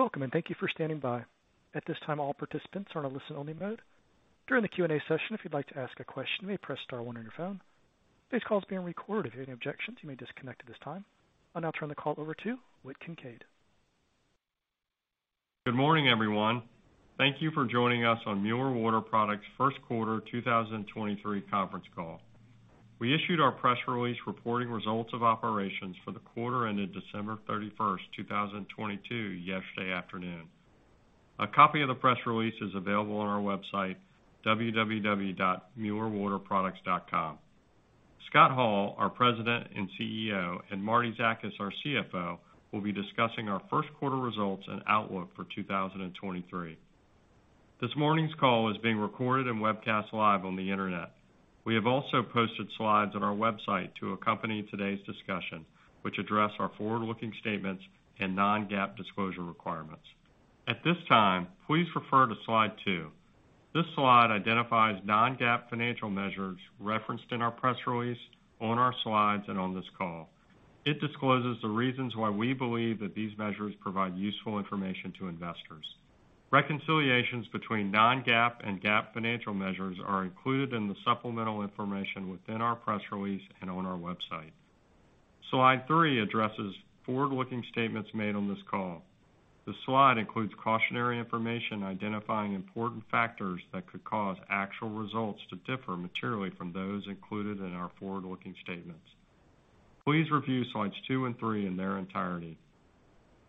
Welcome. Thank you for standing by. At this time, all participants are in a listen-only mode. During the Q&A session, if you'd like to ask a question, you may press star one on your phone. Today's call is being recorded. If you have any objections, you may disconnect at this time. I'll now turn the call over to Whit Kincaid. Good morning, everyone. Thank you for joining us on Mueller Water Products' Q1 2023 Conference Call. We issued our press release reporting results of operations for the quarter ended December 31st, 2022 yesterday afternoon. A copy of the press release is available on our website, www.muellerwaterproducts.com. Scott Hall, our President and CEO, and Martie Zakas, our CFO, will be discussing our Q1 results and outlook for 2023. This morning's call is being recorded and webcast live on the Internet. We have also posted slides on our website to accompany today's discussion, which address our forward-looking statements and non-GAAP disclosure requirements. At this time, please refer to slide two. This slide identifies non-GAAP financial measures referenced in our press release, on our slides, and on this call. It discloses the reasons why we believe that these measures provide useful information to investors. Reconciliations between non-GAAP and GAAP financial measures are included in the supplemental information within our press release and on our website. Slide thretwo addresses forward-looking statements made on this call. The slide includes cautionary information identifying important factors that could cause actual results to differ materially from those included in our forward-looking statements. Please review slides two and three in their entirety.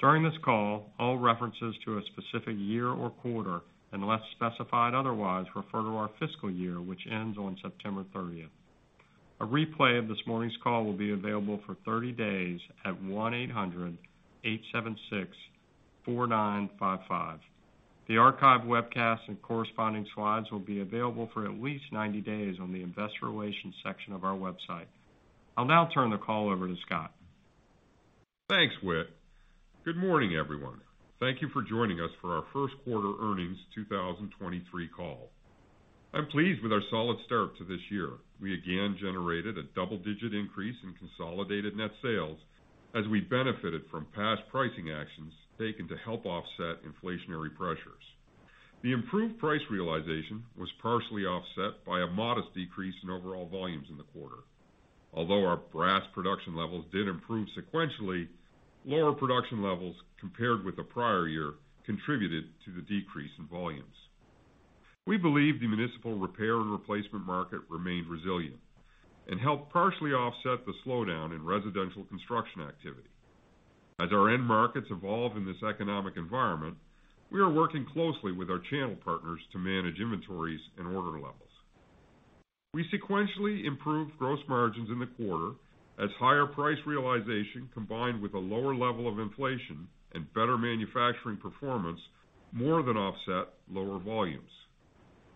During this call, all references to a specific year or quarter, unless specified otherwise, refer to our fiscal year, which ends on September 30th. A replay of this morning's call will be available for 30 days at 1-800-876-4955. The archived webcast and corresponding slides will be available for at least 90 days on the investor relations section of our website. I'll now turn the call over to Scott. Thanks, Whit. Good morning, everyone. Thank you for joining us for our Q1 Earnings 2023 Call. I'm pleased with our solid start to this year. We again generated a double-digit increase in consolidated net sales as we benefited from past pricing actions taken to help offset inflationary pressures. The improved price realization was partially offset by a modest decrease in overall volumes in the quarter. Although our brass production levels did improve sequentially, lower production levels compared with the prior year contributed to the decrease in volumes. We believe the municipal repair and replacement market remained resilient and helped partially offset the slowdown in residential construction activity. As our end markets evolve in this economic environment, we are working closely with our channel partners to manage inventories and order levels. We sequentially improved gross margins in the quarter as higher price realization combined with a lower level of inflation and better manufacturing performance more than offset lower volumes.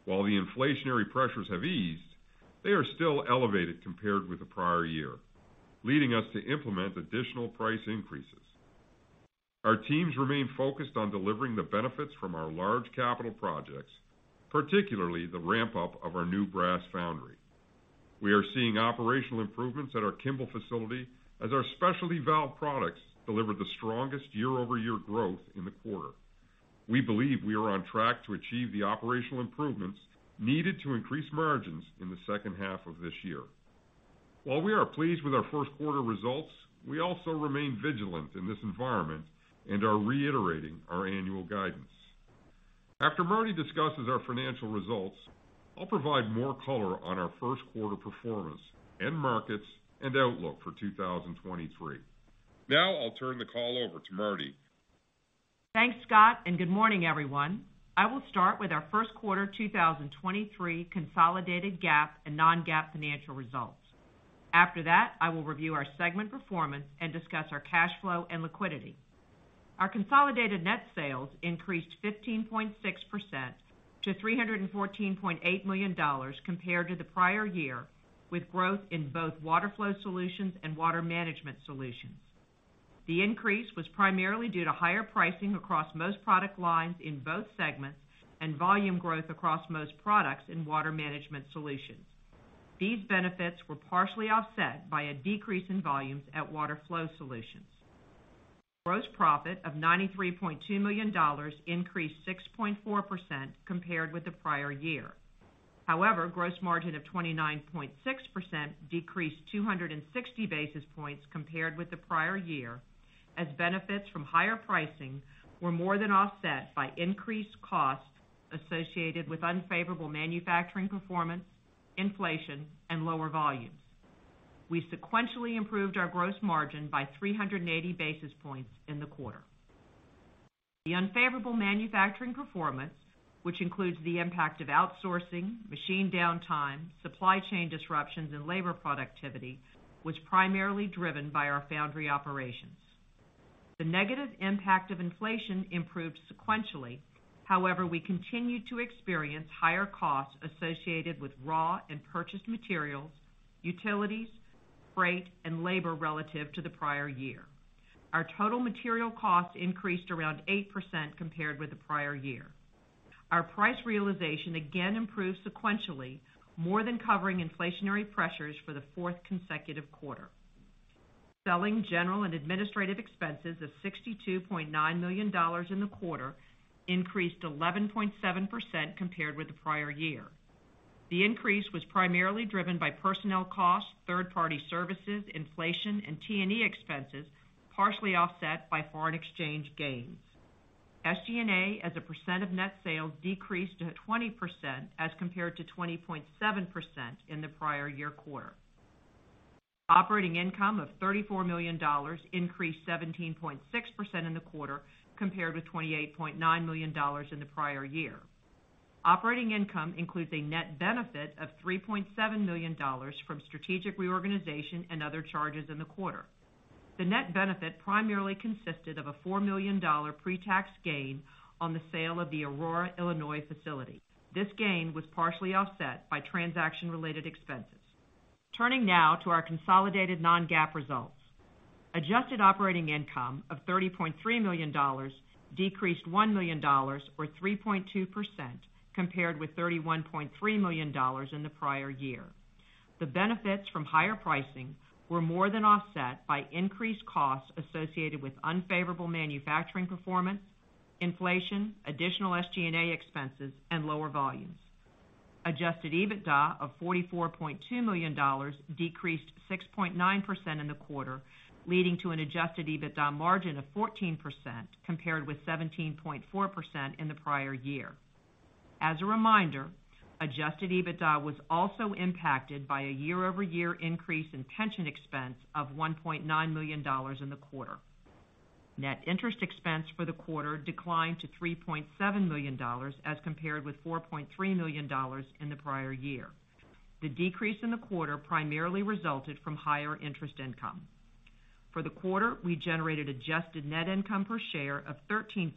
While the inflationary pressures have eased, they are still elevated compared with the prior year, leading us to implement additional price increases. Our teams remain focused on delivering the benefits from our large capital projects, particularly the ramp-up of our new brass foundry. We are seeing operational improvements at our Kimball facility as our specialty valve products delivered the strongest year-over-year growth in the quarter. We believe we are on track to achieve the operational improvements needed to increase margins in the H2 of this year. While we are pleased with our Q1 results, we also remain vigilant in this environment and are reiterating our annual guidance. After Martie discusses our financial results, I'll provide more color on our Q1 performance, end markets, and outlook for 2023. I'll turn the call over to Martie. Thanks, Scott, good morning, everyone. I will start with our Q1 2023 consolidated GAAP and non-GAAP financial results. After that, I will review our segment performance and discuss our cash flow and liquidity. Our consolidated net sales increased 15.6% to $314.8 million compared to the prior year, with growth in both Water Flow Solutions and Water Management Solutions. The increase was primarily due to higher pricing across most product lines in both segments and volume growth across most products in Water Management Solutions. These benefits were partially offset by a decrease in volumes at Water Flow Solutions. Gross profit of $93.2 million increased 6.4% compared with the prior year. Gross margin of 29.6% decreased 260 basis points compared with the prior year, as benefits from higher pricing were more than offset by increased costs associated with unfavorable manufacturing performance, inflation, and lower volumes. We sequentially improved our gross margin by 380 basis points in the quarter. The unfavorable manufacturing performance, which includes the impact of outsourcing, machine downtime, supply chain disruptions, and labor productivity, was primarily driven by our foundry operations. The negative impact of inflation improved sequentially. We continued to experience higher costs associated with raw and purchased materials, utilities, freight, and labor relative to the prior year. Our total material costs increased around 8% compared with the prior year. Our price realization again improved sequentially, more than covering inflationary pressures for the fourth consecutive quarter. Selling, general, and administrative expenses of $62.9 million in the quarter increased 11.7% compared with the prior year. The increase was primarily driven by personnel costs, third-party services, inflation, and T&E expenses, partially offset by foreign exchange gains. SG&A as a % of net sales decreased to 20% as compared to 20.7% in the prior year quarter. Operating income of $34 million increased 17.6% in the quarter compared with $28.9 million in the prior year. Operating income includes a net benefit of $3.7 million from strategic reorganization and other charges in the quarter. The net benefit primarily consisted of a $4 million pre-tax gain on the sale of the Aurora, Illinois facility. This gain was partially offset by transaction-related expenses. Turning now to our consolidated non-GAAP results. Adjusted operating income of $30.3 million decreased $1 million or 3.2% compared with $31.3 million in the prior year. The benefits from higher pricing were more than offset by increased costs associated with unfavorable manufacturing performance, inflation, additional SG&A expenses, and lower volumes. Adjusted EBITDA of $44.2 million decreased 6.9% in the quarter, leading to an adjusted EBITDA margin of 14% compared with 17.4% in the prior year. As a reminder, adjusted EBITDA was also impacted by a year-over-year increase in pension expense of $1.9 million in the quarter. Net interest expense for the quarter declined to $3.7 million as compared with $4.3 million in the prior year. The decrease in the quarter primarily resulted from higher interest income. For the quarter, we generated adjusted net income per share of $0.13,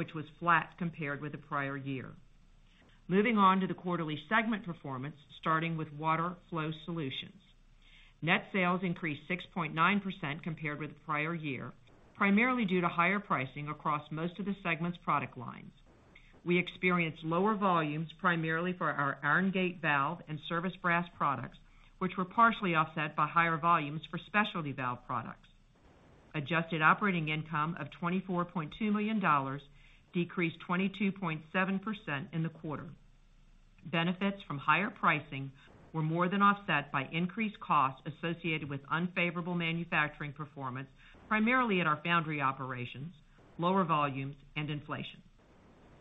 which was flat compared with the prior year. Moving on to the quarterly segment performance, starting with Water Flow Solutions. Net sales increased 6.9% compared with the prior year, primarily due to higher pricing across most of the segment's product lines. We experienced lower volumes primarily for our Iron Gate Valve and service brass products, which were partially offset by higher volumes for specialty valve products. Adjusted operating income of $24.2 million decreased 22.7% in the quarter. Benefits from higher pricing were more than offset by increased costs associated with unfavorable manufacturing performance, primarily at our foundry operations, lower volumes, and inflation.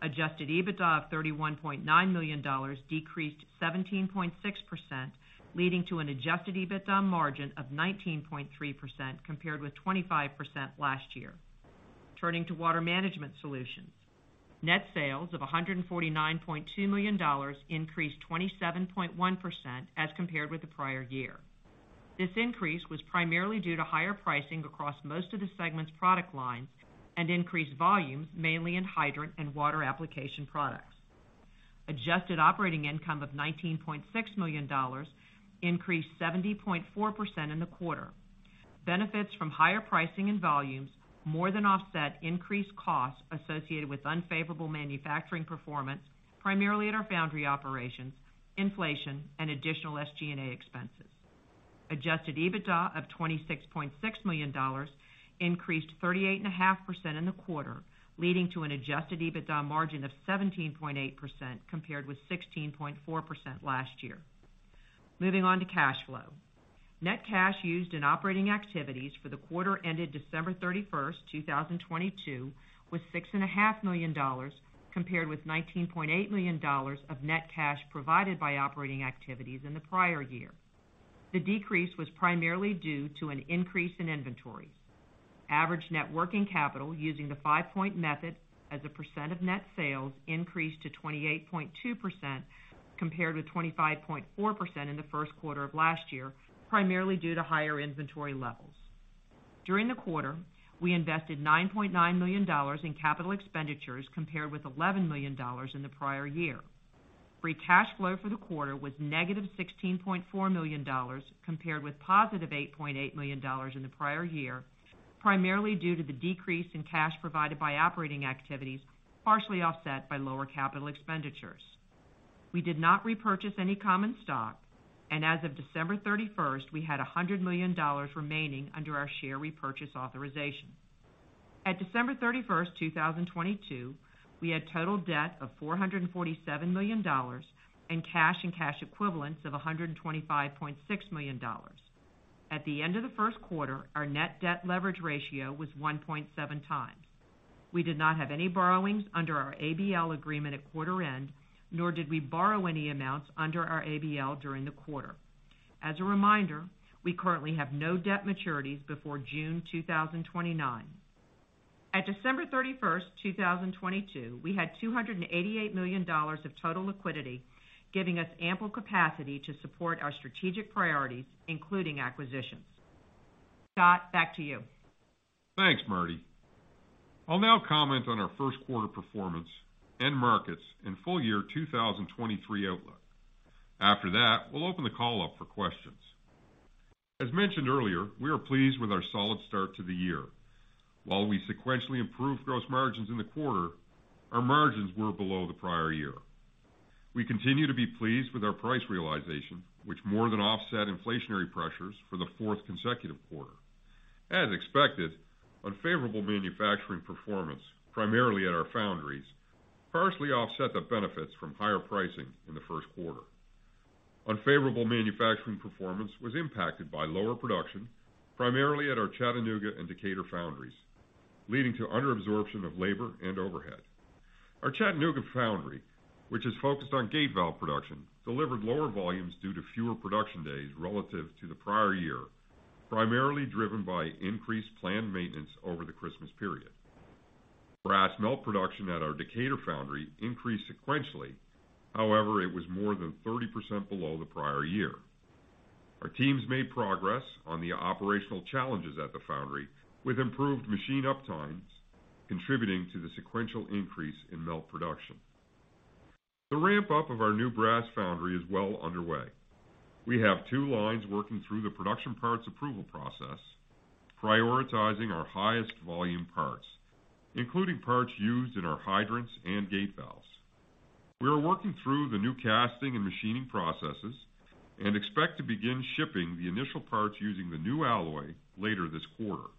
Adjusted EBITDA of $31.9 million decreased 17.6%, leading to an adjusted EBITDA margin of 19.3% compared with 25% last year. Turning to Water Management Solutions. Net sales of $149.2 million increased 27.1% as compared to the prior year. This increase was primarily due to higher pricing across most of the segment's product lines and increased volumes, mainly in hydrant and water application products. Adjusted operating income of $19.6 million increased 70.4% in the quarter. Benefits from higher pricing and volumes more than offset increased costs associated with unfavorable manufacturing performance, primarily at our foundry operations, inflation, and additional SG&A expenses. Adjusted EBITDA of $26.6 million increased 38.5% in the quarter, leading to an adjusted EBITDA margin of 17.8% compared with 16.4% last year. Moving on to cash flow. Net cash used in operating activities for the quarter ended December 31st, 2022 was $6.5 million compared with $19.8 million of net cash provided by operating activities in the prior year. The decrease was primarily due to an increase in inventory. Average net working capital using the five-point method as a percent of net sales increased to 28.2% compared with 25.4% in the Q1 of last year, primarily due to higher inventory levels. During the quarter, we invested $9.9 million in capital expenditures compared with $11 million in the prior year. Free cash flow for the quarter was negative $16.4 million, compared with positive $8.8 million in the prior year, primarily due to the decrease in cash provided by operating activities, partially offset by lower capital expenditures. We did not repurchase any common stock, and as of December 31st, we had $100 million remaining under our share repurchase authorization. At December 31st, 2022, we had total debt of $447 million and cash and cash equivalents of $125.6 million. At the end of the Q1, our net debt leverage ratio was 1.7x. We did not have any borrowings under our ABL agreement at quarter end, nor did we borrow any amounts under our ABL during the quarter. As a reminder, we currently have no debt maturities before June 2029. At December 31st, 2022, we had $288 million of total liquidity, giving us ample capacity to support our strategic priorities, including acquisitions. Scott, back to you. Thanks, Martie. I'll now comment on our Q1 performance, end markets, and full year 2023 outlook. After that, we'll open the call up for questions. As mentioned earlier, we are pleased with our solid start to the year. While we sequentially improved gross margins in the quarter, our margins were below the prior year. We continue to be pleased with our price realization, which more than offset inflationary pressures for the fourth consecutive quarter. As expected, unfavourable manufacturing performance, primarily at our foundries, partially offset the benefits from higher pricing in the Q1. Unfavourable manufacturing performance was impacted by lower production, primarily at our Chattanooga and Decatur foundries, leading to under absorption of labour and overhead. Our Chattanooga foundry, which is focused on gate valve production, delivered lower volumes due to fewer production days relative to the prior year, primarily driven by increased planned maintenance over the Christmas period. Brass melt production at our Decatur foundry increased sequentially. It was more than 30% below the prior year. Our teams made progress on the operational challenges at the foundry with improved machine uptimes, contributing to the sequential increase in melt production. The ramp-up of our new brass foundry is well underway. We have two lines working through the production parts approval process, prioritizing our highest volume parts, including parts used in our hydrants and gate valves. We are working through the new casting and machining processes and expect to begin shipping the initial parts using the new alloy later this quarter.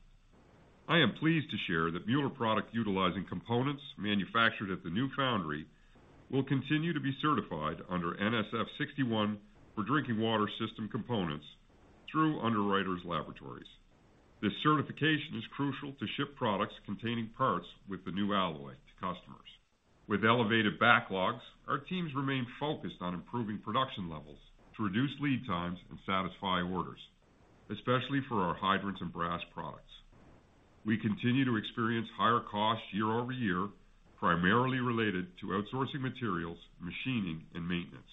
I am pleased to share that Mueller product utilizing components manufactured at the new foundry will continue to be certified under NSF 61 for drinking water system components through Underwriters Laboratories. This certification is crucial to ship products containing parts with the new alloy to customers. With elevated backlogs, our teams remain focused on improving production levels to reduce lead times and satisfy orders, especially for our hydrants and brass products. We continue to experience higher costs year-over-year, primarily related to outsourcing materials, machining, and maintenance.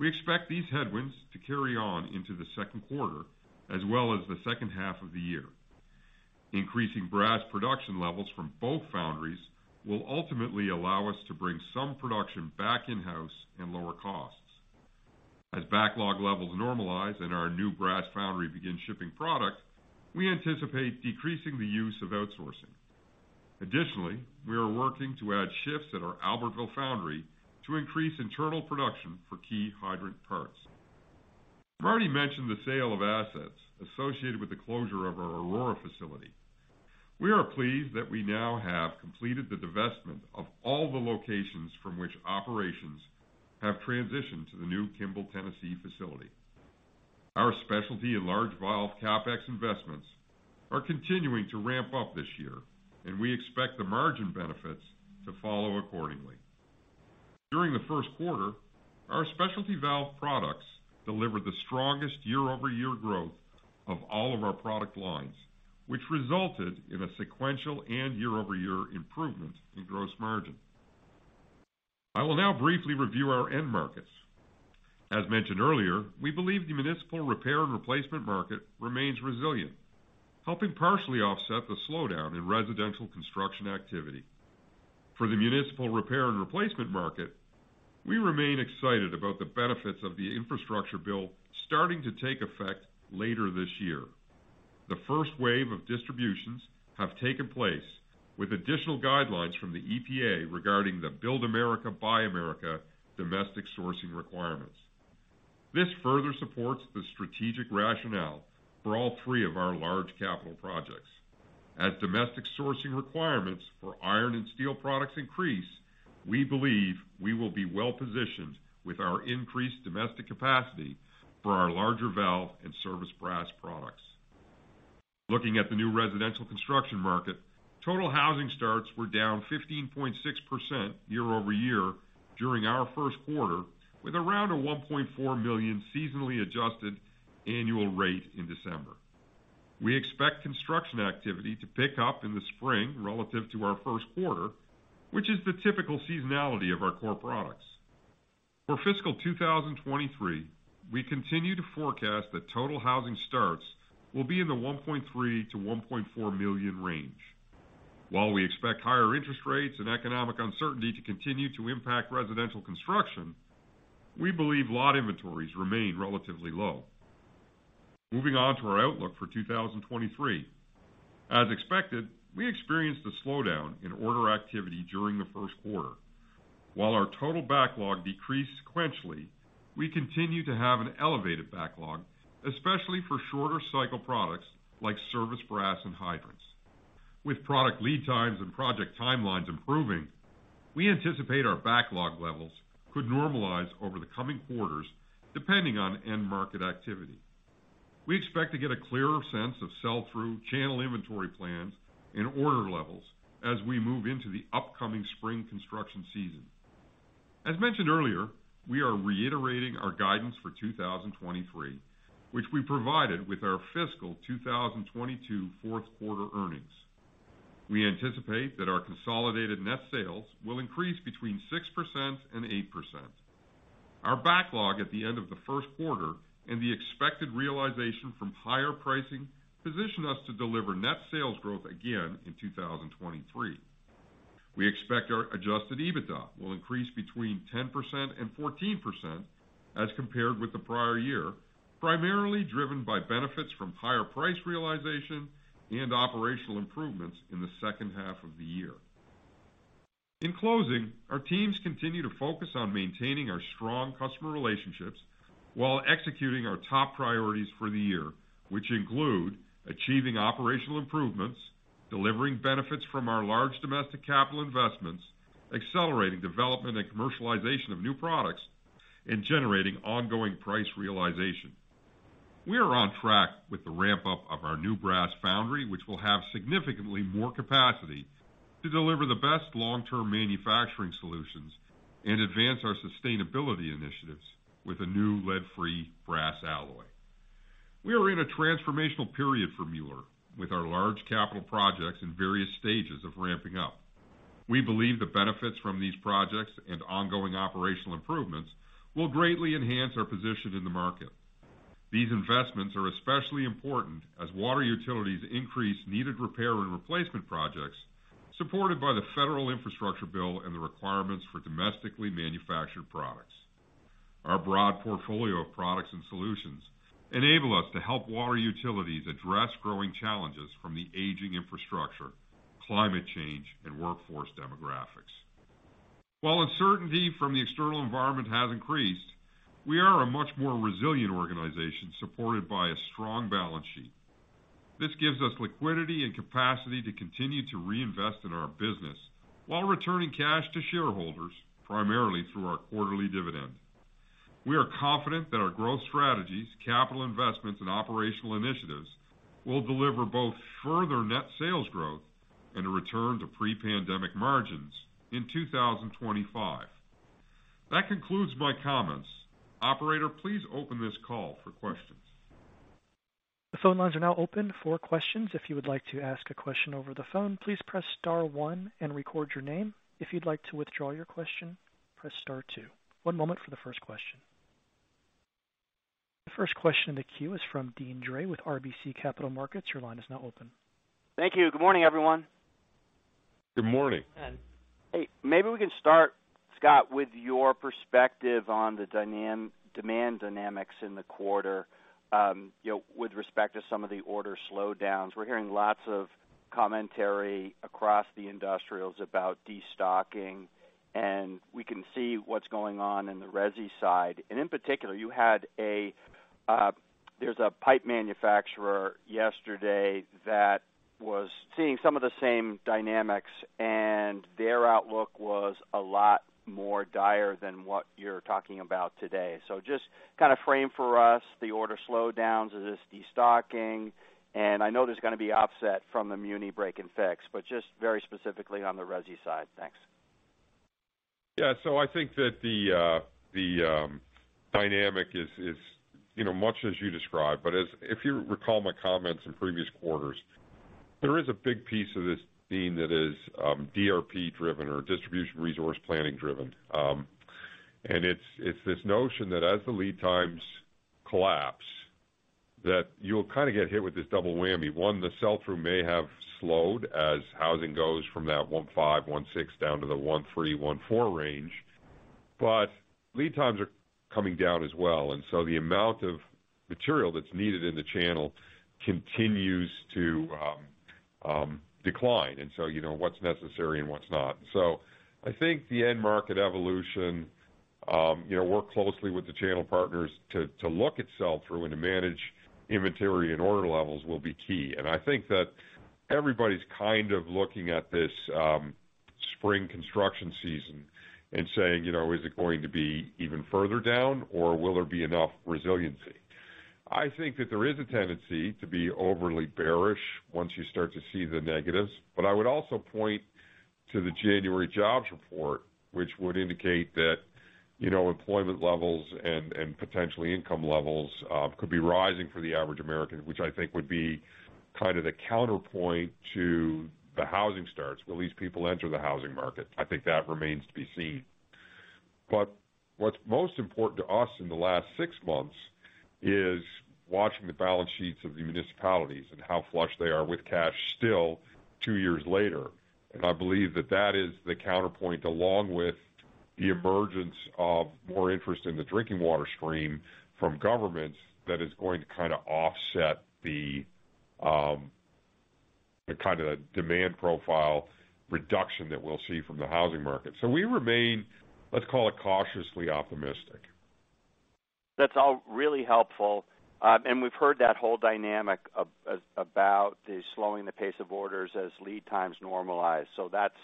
We expect these headwinds to carry on into the Q2 as well as the H2 of the year. Increasing brass production levels from both foundries will ultimately allow us to bring some production back in-house and lower costs. As backlog levels normalize and our new brass foundry begins shipping product, we anticipate decreasing the use of outsourcing. Additionally, we are working to add shifts at our Albertville foundry to increase internal production for key hydrant parts. I've already mentioned the sale of assets associated with the closure of our Aurora facility. We are pleased that we now have completed the divestment of all the locations from which operations have transitioned to the new Kimball, Tennessee facility. Our specialty in large valve CapEx investments are continuing to ramp up this year, and we expect the margin benefits to follow accordingly. During the Q1, our specialty valve products delivered the strongest year-over-year growth of all of our product lines, which resulted in a sequential and year-over-year improvement in gross margin. I will now briefly review our end markets. As mentioned earlier, we believe the municipal repair and replacement market remains resilient, helping partially offset the slowdown in residential construction activity. For the municipal repair and replacement market, we remain excited about the benefits of the infrastructure bill starting to take effect later this year. The first wave of distributions have taken place with additional guidelines from the EPA regarding the Build America, Buy America domestic sourcing requirements. This further supports the strategic rationale for all three of our large capital projects. As domestic sourcing requirements for iron and steel products increase, we believe we will be well-positioned with our increased domestic capacity for our larger valve and service brass products. Looking at the new residential construction market, total housing starts were down 15.6% year-over-year during our Q1, with around a 1.4 million seasonally adjusted annual rate in December. We expect construction activity to pick up in the spring relative to our Q1, which is the typical seasonality of our core products. For fiscal 2023, we continue to forecast that total housing starts will be in the 1.3 million to 1.4 million range. While we expect higher interest rates and economic uncertainty to continue to impact residential construction, we believe lot inventories remain relatively low. Moving on to our outlook for 2023. As expected, we experienced a slowdown in order activity during the Q1. While our total backlog decreased sequentially, we continue to have an elevated backlog, especially for shorter cycle products like service brass and hydrants. With product lead times and project timelines improving, we anticipate our backlog levels could normalize over the coming quarters, depending on end market activity. We expect to get a clearer sense of sell-through channel inventory plans and order levels as we move into the upcoming spring construction season. As mentioned earlier, we are reiterating our guidance for 2023, which we provided with our fiscal 2022 Q4 earnings. We anticipate that our consolidated net sales will increase between 6% and 8%. Our backlog at the end of the Q1 and the expected realization from higher pricing position us to deliver net sales growth again in 2023. We expect our adjusted EBITDA will increase between 10% and 14%. As compared with the prior year, primarily driven by benefits from higher price realization and operational improvements in the H2 of the year. In closing, our teams continue to focus on maintaining our strong customer relationships while executing our top priorities for the year, which include achieving operational improvements, delivering benefits from our large domestic capital investments, accelerating development and commercialization of new products, and generating ongoing price realization. We are on track with the ramp-up of our new brass foundry, which will have significantly more capacity to deliver the best long-term manufacturing solutions and advance our sustainability initiatives with a new lead-free brass alloy. We are in a transformational period for Mueller with our large capital projects in various stages of ramping up. We believe the benefits from these projects and ongoing operational improvements will greatly enhance our position in the market. These investments are especially important as water utilities increase needed repair and replacement projects supported by the Federal Infrastructure Bill and the requirements for domestically manufactured products. Our broad portfolio of products and solutions enable us to help water utilities address growing challenges from the aging infrastructure, climate change, and workforce demographics. While uncertainty from the external environment has increased, we are a much more resilient organization supported by a strong balance sheet. This gives us liquidity and capacity to continue to reinvest in our business while returning cash to shareholders, primarily through our quarterly dividend. We are confident that our growth strategies, capital investments, and operational initiatives will deliver both further net sales growth and a return to pre-pandemic margins in 2025. That concludes my comments. Operator, please open this call for questions. The phone lines are now open for questions. If you would like to ask a question over the phone, please press star one and record your name. If you'd like to withdraw your question, press star two. One moment for the first question. The first question in the queue is from Deane Dray with RBC Capital Markets. Your line is now open. Thank you. Good morning, everyone. Good morning. Hey, maybe we can start, Scott, with your perspective on the demand dynamics in the quarter, you know, with respect to some of the order slowdowns. We're hearing lots of commentary across the industrials about destocking, and we can see what's going on in the resi side. In particular, you had a- There's a pipe manufacturer yesterday that was seeing some of the same dynamics, and their outlook was a lot more dire than what you're talking about today. Just kind of frame for us the order slowdowns. Is this destocking? I know there's gonna be offset from the muni break and fix, but just very specifically on the resi side. Thanks. Yeah. I think that the dynamic is, you know, much as you described. As if you recall my comments in previous quarters, there is a big piece of this theme that is DRP-driven or distribution resource planning driven. It's this notion that as the lead times collapse, that you'll kind of get hit with this double whammy. One, the sell-through may have slowed as housing goes from that 1.5, 1.6 down to the 1.3, 1.4 range, but lead times are coming down as well. The amount of material that's needed in the channel continues to decline, and so you know what's necessary and what's not. I think the end market evolution, you know, work closely with the channel partners to look at sell-through and to manage inventory and order levels will be key. I think that everybody's kind of looking at this spring construction season and saying, you know, "Is it going to be even further down, or will there be enough resiliency?" I think that there is a tendency to be overly bearish once you start to see the negatives, but I would also point to the January jobs report, which would indicate that, you know, employment levels and potentially income levels could be rising for the average American, which I think would be kind of the counterpoint to the housing starts. Will these people enter the housing market? I think that remains to be seen. What's most important to us in the last six months is watching the balance sheets of the municipalities and how flush they are with cash still two years later. I believe that that is the counterpoint, along with the emergence of more interest in the drinking water stream from governments that is going to kind of offset the kind of demand profile reduction that we'll see from the housing market. We remain, let's call it, cautiously optimistic. That's all really helpful. We've heard that whole dynamic about the slowing the pace of orders as lead times normalize. That's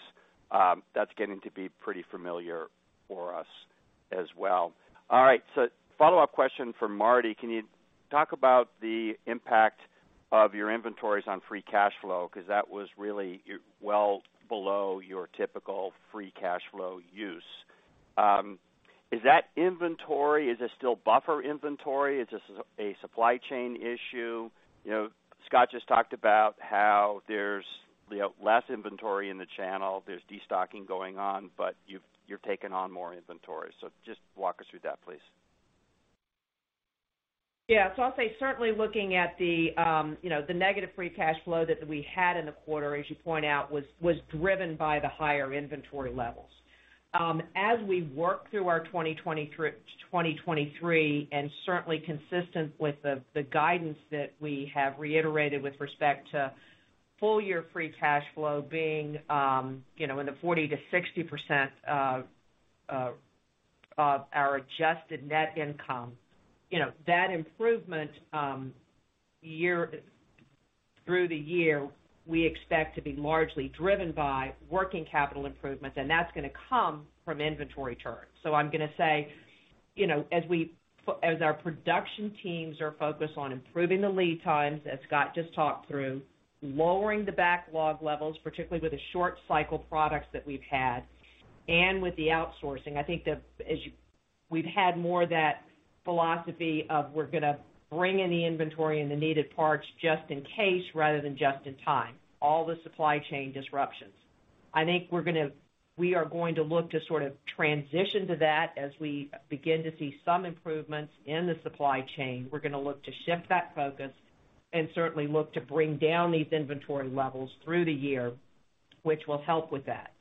getting to be pretty familiar for us as well. All right. Follow-up question from Martie. Can you talk about the impact of your inventories on free cash flow? 'Cause that was really well below your typical free cash flow use. Is that inventory, is it still buffer inventory? Is this a supply chain issue? You know, Scott just talked about how there's, you know, less inventory in the channel. There's destocking going on, but you're taking on more inventory. Just walk us through that, please. Yeah. I'll say certainly looking at the, you know, the negative free cash flow that we had in the quarter, as you point out, was driven by the higher inventory levels. As we work through our 2023, and certainly consistent with the guidance that we have reiterated with respect to full year free cash flow being, you know, in the 40% to 60% of our adjusted net income. You know, that improvement through the year, we expect to be largely driven by working capital improvements, and that's gonna come from inventory churn. I'm gonna say, you know, as our production teams are focused on improving the lead times, as Scott just talked through, lowering the backlog levels, particularly with the short cycle products that we've had and with the outsourcing. I think we've had more of that philosophy of we're gonna bring in the inventory and the needed parts just in case rather than just in time, all the supply chain disruptions. I think we are going to look to sort of transition to that as we begin to see some improvements in the supply chain. We're gonna look to shift that focus and certainly look to bring down these inventory levels through the year, which will help with that.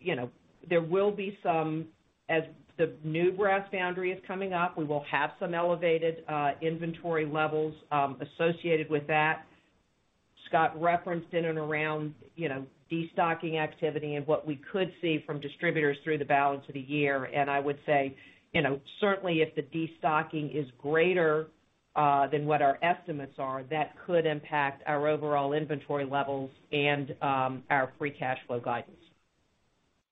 You know, there will be some as the new brass foundry is coming up, we will have some elevated inventory levels associated with that. Scott referenced in and around, you know, destocking activity and what we could see from distributors through the balance of the year. I would say, you know, certainly if the destocking is greater than what our estimates are, that could impact our overall inventory levels and our free cash flow guidance.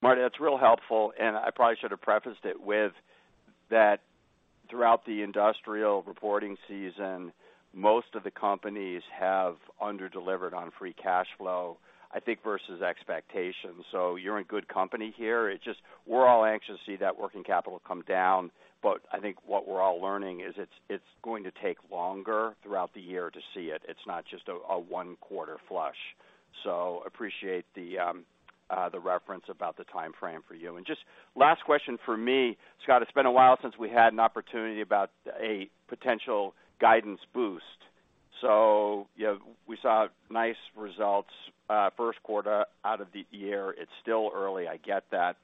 Martie, that's real helpful. I probably should have prefaced it with that throughout the industrial reporting season, most of the companies have under-delivered on free cash flow, I think versus expectations. You're in good company here. We're all anxious to see that working capital come down, but I think what we're all learning is it's going to take longer throughout the year to see it. It's not just a one quarter flush. Appreciate the reference about the timeframe for you. Just last question for me, Scott, it's been a while since we had an opportunity about a potential guidance boost. You know, we saw nice results, Q1 out of the year. It's still early, I get that.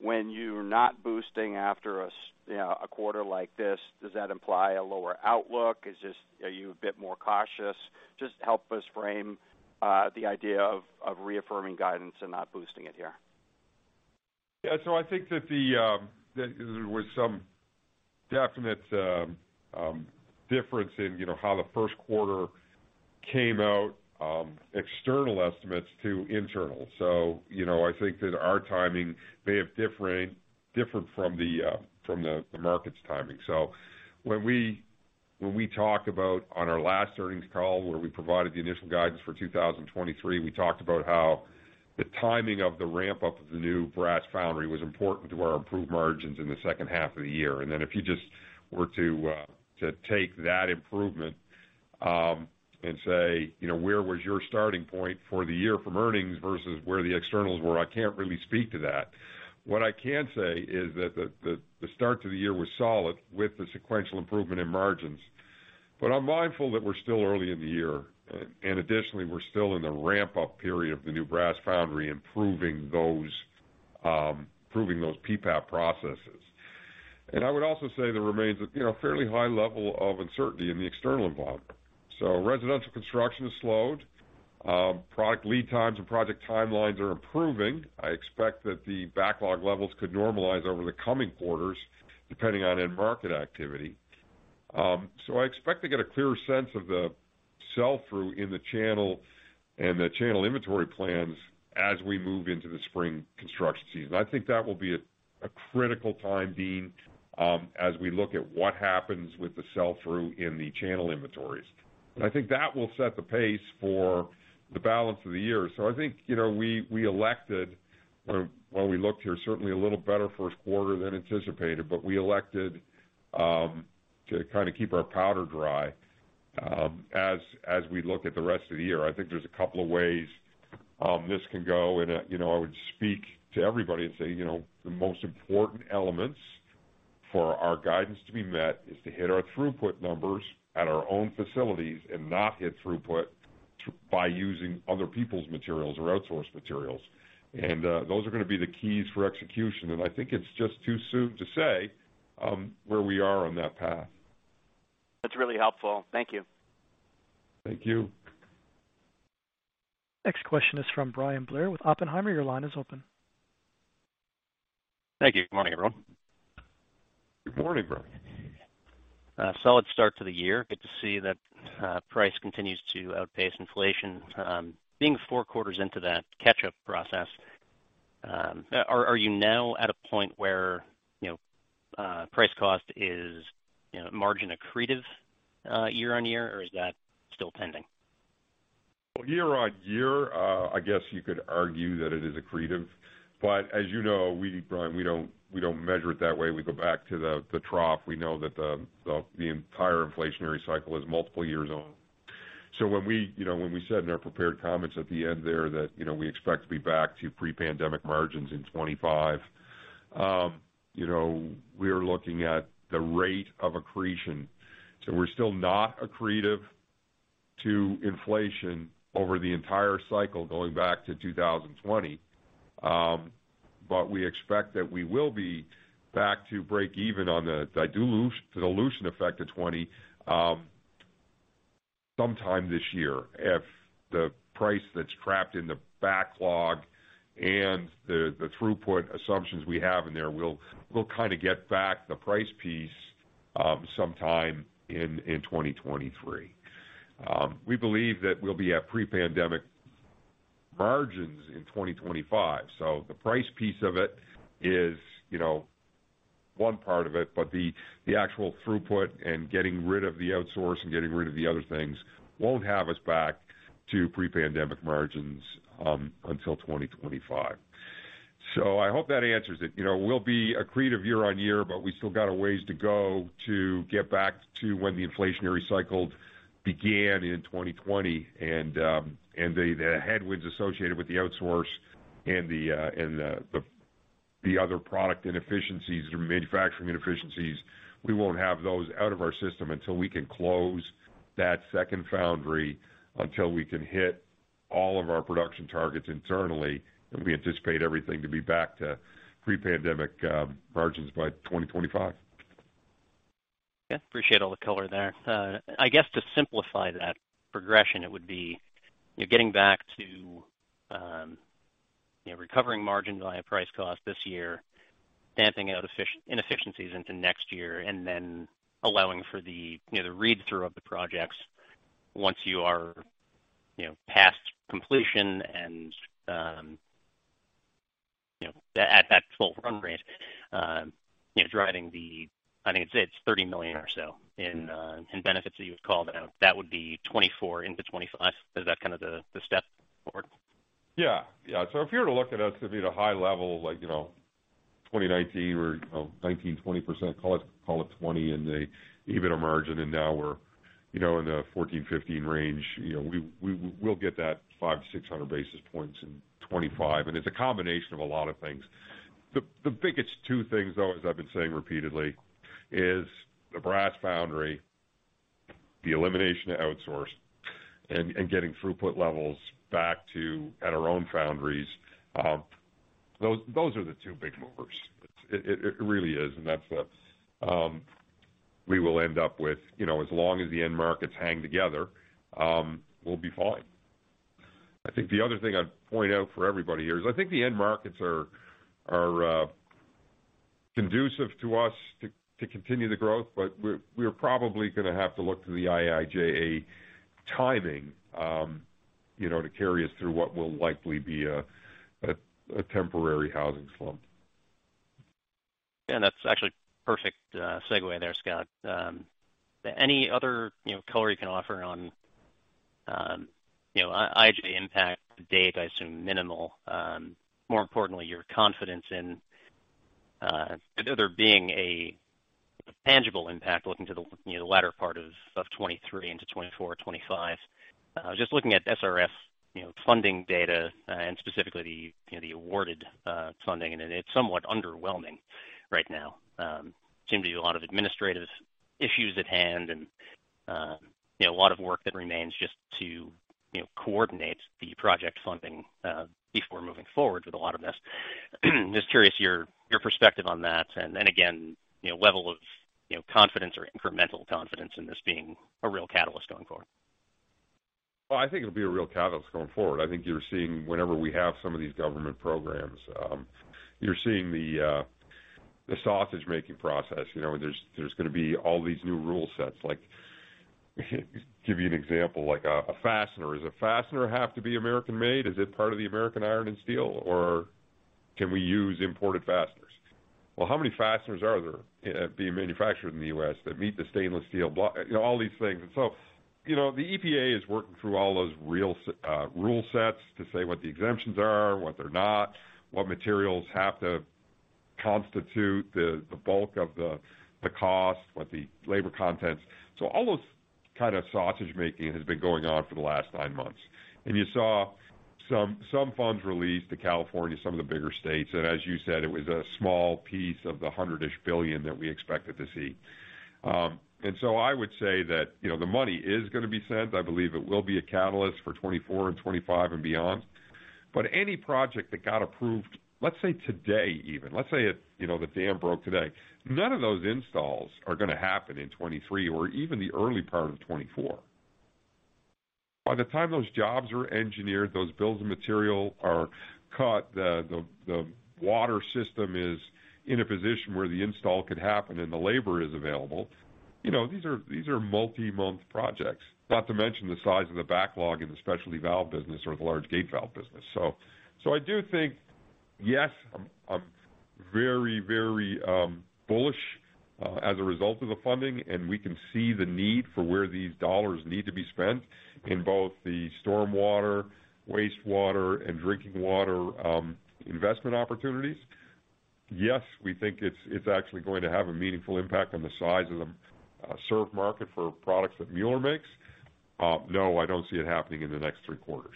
When you're not boosting after a you know, a quarter like this, does that imply a lower outlook? Are you a bit more cautious? Just help us frame the idea of reaffirming guidance and not boosting it here. Yeah. I think that the, that there was some definite difference in, you know, how the Q1 came out, external estimates to internal. You know, I think that our timing may have differed from the market's timing. When we, when we talk about on our last earnings call, where we provided the initial guidance for 2023, we talked about how the timing of the ramp-up of the new brass foundry was important to our improved margins in the H2 of the year. If you just were to take that improvement and say, you know, where was your starting point for the year from earnings versus where the externals were? I can't really speak to that. What I can say is that the start to the year was solid with the sequential improvement in margins. I'm mindful that we're still early in the year, additionally, we're still in the ramp-up period of the new brass foundry, improving those, improving those PPAP processes. I would also say there remains a, you know, fairly high level of uncertainty in the external environment. Residential construction has slowed. Product lead times and project timelines are improving. I expect that the backlog levels could normalize over the coming quarters, depending on end market activity. I expect to get a clearer sense of the sell-through in the channel and the channel inventory plans as we move into the spring construction season. I think that will be a critical time, Deane, as we look at what happens with the sell-through in the channel inventories. I think that will set the pace for the balance of the year. I think, you know, we elected when we looked here, certainly a little better Q1 than anticipated, but we elected to kinda keep our powder dry as we look at the rest of the year. I think there's a couple of ways this can go. You know, I would speak to everybody and say, you know, the most important elements for our guidance to be met is to hit our throughput numbers at our own facilities and not hit throughput by using other people's materials or outsourced materials. Those are gonna be the keys for execution. I think it's just too soon to say, where we are on that path. That's really helpful. Thank you. Thank you. Next question is from Brian Blair with Oppenheimer. Your line is open. Thank you. Good morning, everyone. Good morning, Brian. A solid start to the year. Good to see that price continues to outpace inflation. Being four quarters into that catch-up process, are you now at a point where, you know, price cost is, you know, margin accretive, year-over-year, or is that still pending? Year on year, I guess you could argue that it is accretive. As you know, Brian, we don't measure it that way. We go back to the trough. We know that the entire inflationary cycle is multiple years old. When we, you know, when we said in our prepared comments at the end there that, you know, we expect to be back to pre-pandemic margins in 2025, we are looking at the rate of accretion. We're still not accretive to inflation over the entire cycle going back to 2020. We expect that we will be back to break even on the dilution effect of 2020 sometime this year. If the price that's trapped in the backlog and the throughput assumptions we have in there, we'll kind of get back the price piece sometime in 2023. We believe that we'll be at pre-pandemic margins in 2025. The price piece of it is, you know, one part of it, but the actual throughput and getting rid of the outsource and getting rid of the other things won't have us back to pre-pandemic margins until 2025. I hope that answers it. You know, we'll be accretive year-on-year, but we still got a ways to go to get back to when the inflationary cycle began in 2020 and the headwinds associated with the outsource and the other product inefficiencies or manufacturing inefficiencies. We won't have those out of our system until we can close that second foundry, until we can hit all of our production targets internally, and we anticipate everything to be back to pre-pandemic margins by 2025. Yeah. Appreciate all the color there. I guess to simplify that progression, it would be you getting back to, you know, recovering margin via price cost this year, stamping out inefficiencies into next year, and then allowing for the, you know, the read-through of the projects once you are, you know, past completion and, you know, at that full run rate, you know, driving the, I think it's $30 million or so in benefits that you had called out. That would be 2024 into 2025. Is that kind of the step forward? Yeah. If you were to look at us at the high level of like, you know, 2019 or, you know, 19% to 20%, call it 20% in the EBIT margin, and now we're, you know, in the 14%-15% range, you know, we'll get that 500 to 600 basis points in 2025. It's a combination of a lot of things. The biggest two things, though, as I've been saying repeatedly, is the brass foundry, the elimination of outsource and getting throughput levels back to at our own foundries. Those are the two big movers. It really is, and that's what we will end up with. You know, as long as the end markets hang together, we'll be fine. I think the other thing I'd point out for everybody here is I think the end markets are conducive to us to continue the growth, but we're probably gonna have to look to the IIJA timing, you know, to carry us through what will likely be a temporary housing slump. Yeah, that's actually perfect, segue there, Scott. Any other, you know, color you can offer on, you know, IIJA impact date, I assume minimal. More importantly, your confidence in there being a tangible impact looking to the, you know, the latter part of 2023 into 2024 or 2025. Just looking at SRF, you know, funding data and specifically the, you know, the awarded funding, and it's somewhat underwhelming right now. Seems to be a lot of administrative issues at hand and, you know, a lot of work that remains just to, you know, coordinate the project funding before moving forward with a lot of this. Just curious your perspective on that, and then again, you know, level of, you know, confidence or incremental confidence in this being a real catalyst going forward? Well, I think it'll be a real catalyst going forward. I think you're seeing whenever we have some of these government programs, you're seeing the sausage-making process. You know, there's gonna be all these new rule sets. Like, give you an example, like a fastener. Does a fastener have to be American-made? Is it part of the American iron and steel, or can we use imported fasteners? Well, how many fasteners are there being manufactured in the U.S. that meet the stainless steel? You know, all these things. You know, the EPA is working through all those rule sets to say what the exemptions are, what they're not, what materials have to constitute the bulk of the cost, what the labor content. All those kind of sausage-making has been going on for the last nine months. You saw some funds released to California, some of the bigger states. As you said, it was a small piece of the $100-ish billion that we expected to see. I would say that, you know, the money is gonna be sent. I believe it will be a catalyst for 2024 and 2025 and beyond. Any project that got approved, let's say today even, let's say it, you know, the dam broke today, none of those installs are gonna happen in 2023 or even the early part of 2024. By the time those jobs are engineered, those bills of material are cut, the water system is in a position where the install could happen and the labor is available, you know, these are multi-month projects. Not to mention the size of the backlog in the specialty valve business or the large gate valve business. I do think, yes, I'm very, very bullish as a result of the funding, and we can see the need for where these dollars need to be spent in both the storm water, waste water, and drinking water investment opportunities. Yes, we think it's actually going to have a meaningful impact on the size of the served market for products that Mueller makes. No, I don't see it happening in the next three quarters.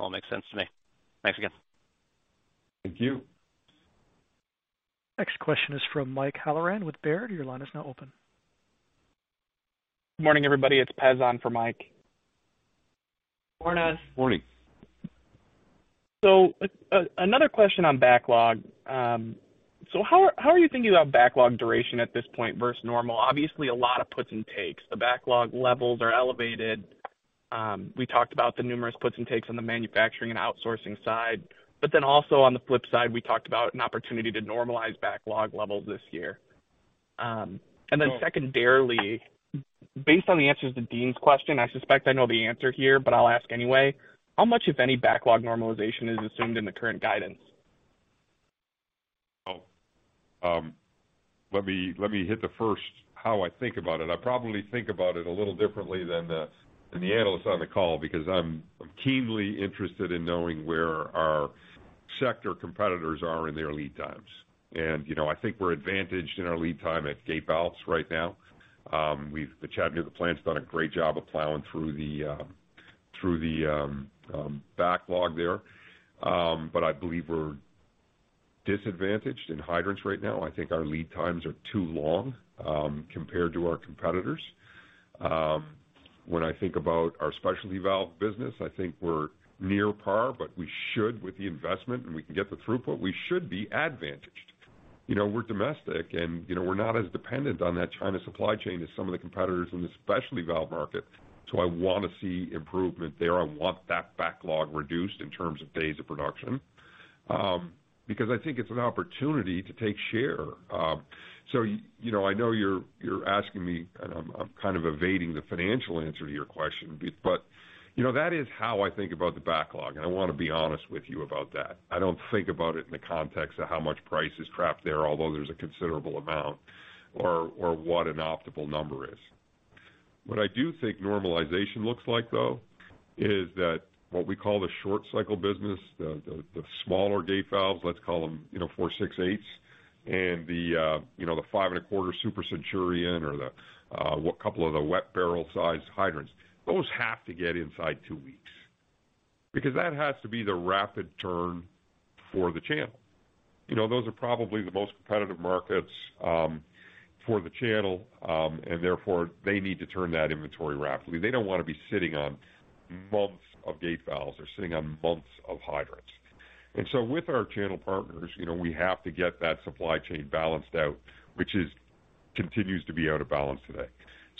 All makes sense to me. Thanks again. Thank you. Next question is from Michael Halloran with Baird. Your line is now open. Morning, everybody. It's Pez on for Mike. Morning. Morning. Another question on backlog. How are you thinking about backlog duration at this point versus normal? Obviously, a lot of puts and takes. The backlog levels are elevated. We talked about the numerous puts and takes on the manufacturing and outsourcing side, also on the flip side, we talked about an opportunity to normalize backlog levels this year. Secondarily, based on the answers to Deane's question, I suspect I know the answer here, but I'll ask anyway. How much, if any, backlog normalization is assumed in the current guidance? Well, let me, let me hit the first how I think about it. I probably think about it a little differently than the, than the analysts on the call because I'm keenly interested in knowing where our sector competitors are in their lead times. You know, I think we're advantaged in our lead time at gate valves right now. The Chad here at the plant has done a great job of ploughing through the backlog there. I believe we're disadvantaged in hydrants right now. I think our lead times are too long compared to our competitors. When I think about our specialty valve business, I think we're near par, but we should with the investment, and we can get the throughput, we should be advantaged. You know, we're domestic, and you know, we're not as dependent on that China supply chain as some of the competitors in the specialty valve market. I wanna see improvement there. I want that backlog reduced in terms of days of production, because I think it's an opportunity to take share. You know, I know you're asking me, and I'm kind of evading the financial answer to your question but, you know, that is how I think about the backlog, and I wanna be honest with you about that. I don't think about it in the context of how much price is trapped there, although there's a considerable amount or what an optimal number is. What I do think normalization looks like, though, is that what we call the short cycle business, the smaller gate valves, let's call them, you know, four, six, eights, and, you know, the five and 1/4 Super Centurion or, well, couple of the wet barrel size hydrants. Those have to get inside two weeks because that has to be the rapid turn for the channel. You know, those are probably the most competitive markets for the channel, and therefore they need to turn that inventory rapidly. They don't wanna be sitting on months of gate valves or sitting on months of hydrants. With our channel partners, you know, we have to get that supply chain balanced out, which continues to be out of balance today.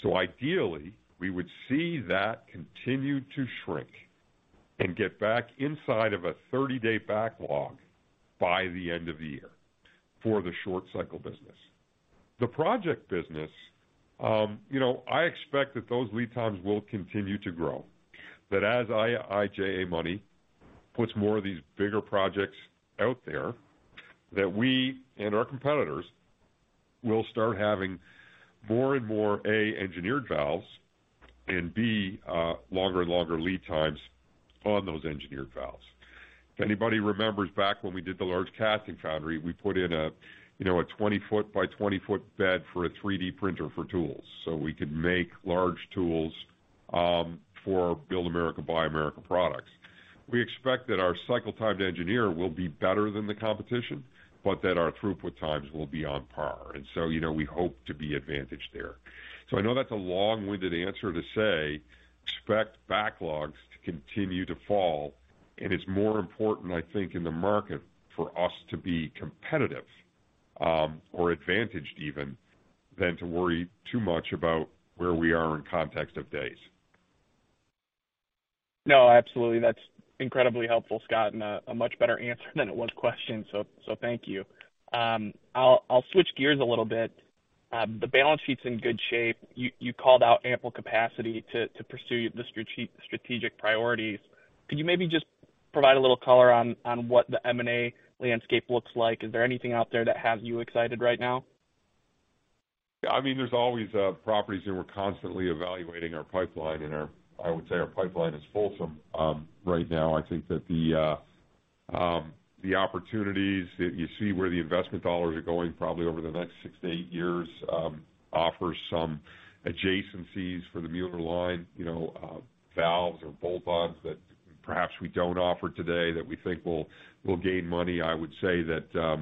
Ideally, we would see that continue to shrink and get back inside of a 30-day backlog by the end of the year for the short cycle business. The project business, you know, I expect that those lead times will continue to grow. That as IJA money puts more of these bigger projects out there, that we and our competitors will start having more and more, A, engineered valves, and B, longer and longer lead times on those engineered valves. If anybody remembers back when we did the large casting foundry, we put in a, you know, a 20-foot by 20-foot bed for a 3D printer for tools, so we could make large tools for Build America, Buy America products. We expect that our cycle time to engineer will be better than the competition, but that our throughput times will be on par. You know, we hope to be advantaged there. I know that's a long-winded answer to say expect backlogs to continue to fall. It's more important, I think, in the market for us to be competitive, or advantaged even than to worry too much about where we are in context of days. No, absolutely. That's incredibly helpful, Scott, and a much better answer than it was questioned. Thank you. I'll switch gears a little bit. The balance sheet's in good shape. You called out ample capacity to pursue the strategic priorities. Could you maybe just provide a little color on what the M&A landscape looks like? Is there anything out there that has you excited right now? I mean, there's always properties that we're constantly evaluating our pipeline and I would say our pipeline is fulsome right now. I think that the opportunities that you see where the investment dollars are going probably over the next six to eight years offers some adjacencies for the Mueller line. You know, valves or bolt-ons that perhaps we don't offer today that we think will gain money. I would say that,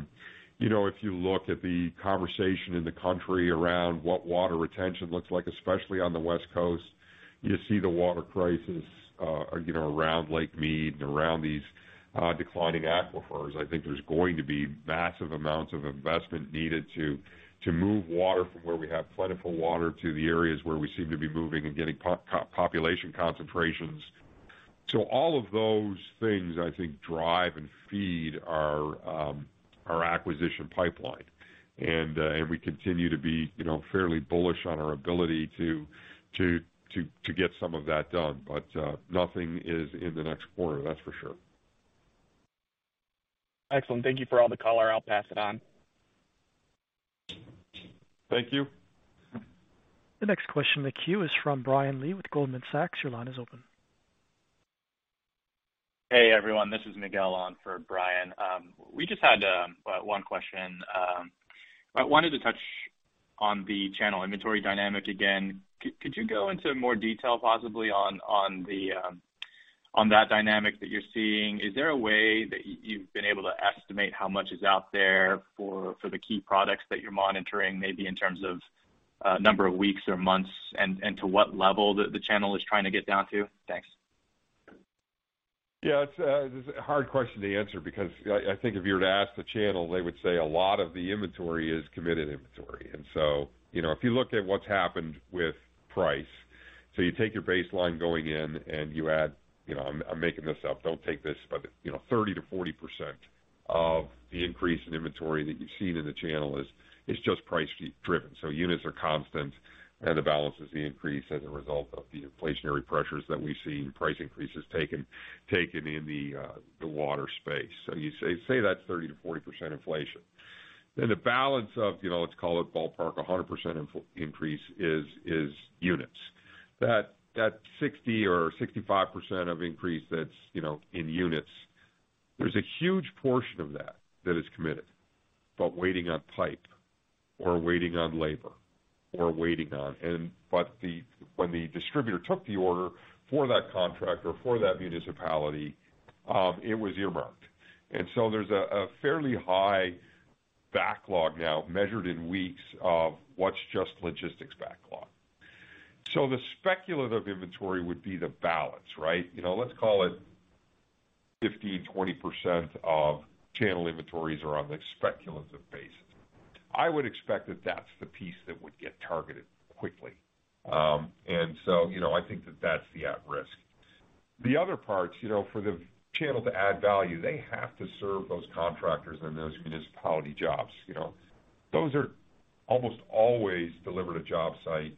you know, if you look at the conversation in the country around what water retention looks like, especially on the West Coast, you see the water crisis, you know, around Lake Mead and around these declining aquifers. I think there's going to be massive amounts of investment needed to move water from where we have plentiful water to the areas where we seem to be moving and getting population concentrations. All of those things, I think, drive and feed our acquisition pipeline. We continue to be, you know, fairly bullish on our ability to get some of that done. Nothing is in the next quarter, that's for sure. Excellent. Thank you for all the color. I'll pass it on. Thank you. The next question in the queue is from Brian Lee with Goldman Sachs. Your line is open. Hey everyone, this is Miguel on for Brian. We just had one question. I wanted to touch on the channel inventory dynamic again. Could you go into more detail possibly on the dynamic that you're seeing? Is there a way that you've been able to estimate how much is out there for the key products that you're monitoring, maybe in terms of number of weeks or months, and to what level the channel is trying to get down to? Thanks. Yeah, it's a hard question to answer because I think if you were to ask the channel, they would say a lot of the inventory is committed inventory. You know, if you look at what's happened with price. You take your baseline going in and you add, you know, I'm making this up, don't take this, but, you know, 30% to 40% of the increase in inventory that you've seen in the channel is just price-driven. Units are constant and the balance is the increase as a result of the inflationary pressures that we've seen price increases taken in the water space. You say that's 30% to 40% inflation. The balance of, you know, let's call it ballpark a 100% increase is units. That 60% or 65% of increase that's, you know, in units, there's a huge portion of that that is committed, but waiting on pipe or waiting on labor or waiting on. When the distributor took the order for that contract or for that municipality, it was earmarked. There's a fairly high backlog now measured in weeks of what's just logistics backlog. The speculative inventory would be the balance, right? You know, let's call it 15%, 20% of channel inventories are on the speculative basis. I would expect that that's the piece that would get targeted quickly. You know, I think that that's the at-risk. The other parts, you know, for the channel to add value, they have to serve those contractors and those municipality jobs. You know? Those are almost always delivered a job site.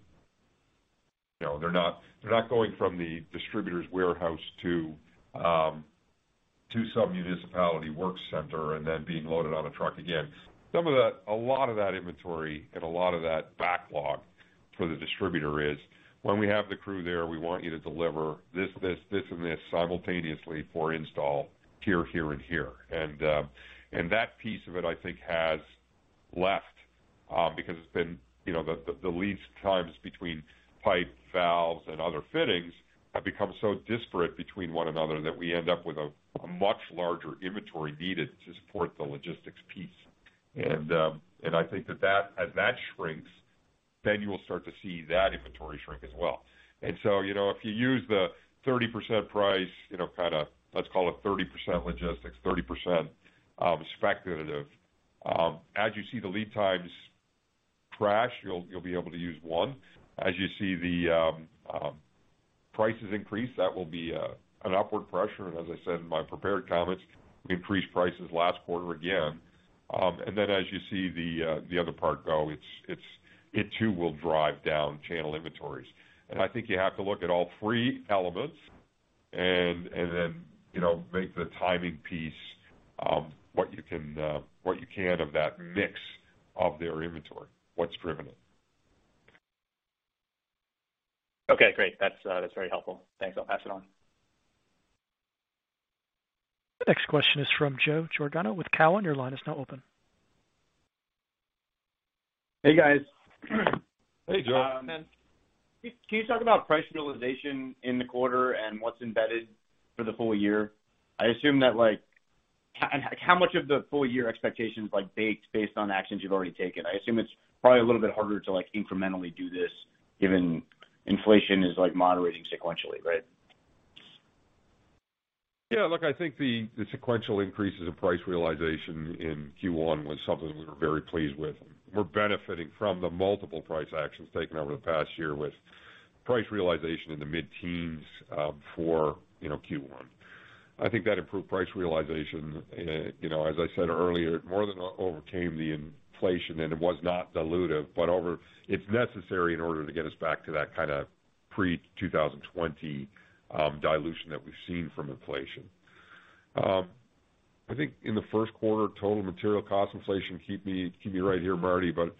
You know, they're not, they're not going from the distributor's warehouse to some municipality work center and then being loaded on a truck again. A lot of that inventory and a lot of that backlog for the distributor is when we have the crew there, we want you to deliver this, this and this simultaneously for install here and here. That piece of it, I think has left, because it's been, you know, the lead times between pipe, valves and other fittings have become so disparate between one another that we end up with a much larger inventory needed to support the logistics piece. I think that as that shrinks, then you'll start to see that inventory shrink as well. you know, if you use the 30% price, you know, kinda let's call it 30% logistics, 30% speculative. As you see the lead times crash, you'll be able to use one. As you see the prices increase, that will be an upward pressure. As I said in my prepared comments, we increased prices last quarter again. Then as you see the other part go, it too will drive down channel inventories. I think you have to look at all three elements and, then, you know, make the timing piece what you can, what you can of that mix of their inventory, what's driven it. Okay, great. That's, that's very helpful. Thanks. I'll pass it on. The next question is from Joe Giordano with Cowen. Your line is now open. Hey, guys. Hey, Joe. Can you talk about price realization in the quarter and what's embedded for the full year? I assume that how much of the full year expectations like baked based on actions you've already taken? I assume it's probably a little bit harder to like incrementally do this given inflation is like moderating sequentially, right? Yeah, look, I think the sequential increases in price realization in Q1 was something we were very pleased with. We're benefiting from the multiple price actions taken over the past year with price realization in the mid-teens, you know, for Q1. I think that improved price realization, you know, as I said earlier, more than overcame the inflation and it was not dilutive, but it's necessary in order to get us back to that kinda pre-2020 dilution that we've seen from inflation. I think in the Q1, total material cost inflation, keep me right here, Martie, but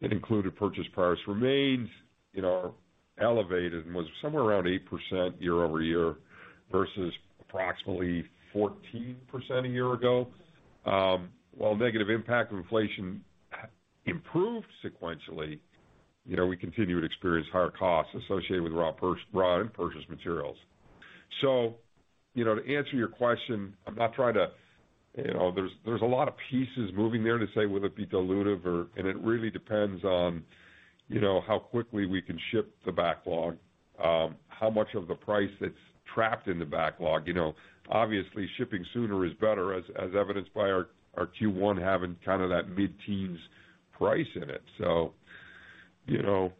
it included purchase price remains, you know, elevated and was somewhere around 8% year-over-year versus approximately 14% a year ago. While negative impact of inflation improved sequentially, you know, we continue to experience higher costs associated with raw and purchased materials. To answer your question, I'm not trying to, you know. There's a lot of pieces moving there to say whether it be dilutive. It really depends on, you know, how quickly we can ship the backlog, how much of the price that's trapped in the backlog. You know, obviously, shipping sooner is better as evidenced by our Q1 having kind of that mid-teens price in it. You know,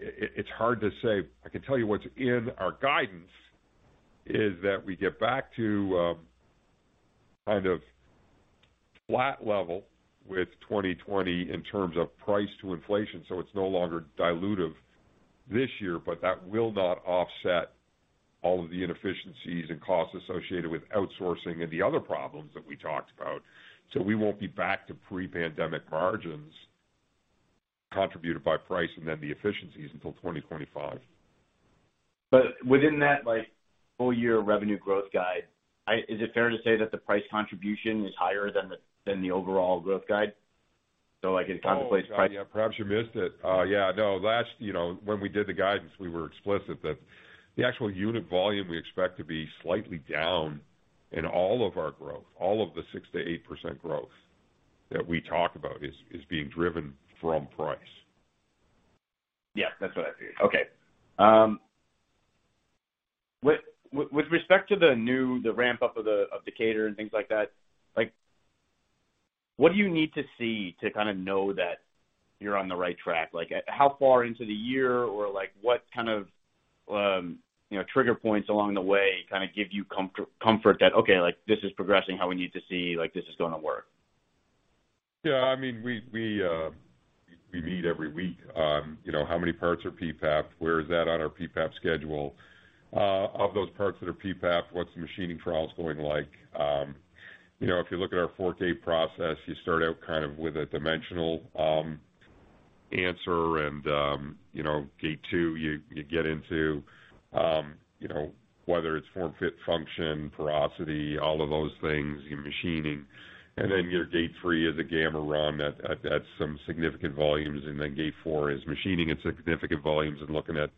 it's hard to say. I can tell you what's in our guidance is that we get back to kind of flat level with 2020 in terms of price to inflation, so it's no longer dilutive this year, but that will not offset all of the inefficiencies and costs associated with outsourcing and the other problems that we talked about. We won't be back to pre-pandemic margins contributed by price and then the efficiencies until 2025. Within that, like, full year revenue growth guide, is it fair to say that the price contribution is higher than the overall growth guide? like it contemplates. Oh, yeah. Perhaps you missed it. Yeah, no. Last, you know, when we did the guidance, we were explicit that the actual unit volume we expect to be slightly down in all of our growth, all of the 6% to 8% growth that we talk about is being driven from price. Yeah, that's what I see. Okay. with respect to the ramp-up of Decatur and things like that, like, what do you need to see to kinda know that you're on the right track? Like, how far into the year or, like, what kind of, you know, trigger points along the way kinda give you comfort that, "Okay, like, this is progressing how we need to see, like, this is gonna work"? Yeah, I mean, we meet every week on, you know, how many parts are PPAP, where is that on our PPAP schedule? Of those parts that are PPAP, what's the machining trials going like? You know, if you look at our 4K process, you start out kind of with a dimensional answer and, you know, gate two, you get into, you know, whether it's form, fit, function, porosity, all of those things, you know, machining. Your gate three is a gamma run at some significant volumes, gate four is machining at significant volumes and looking at,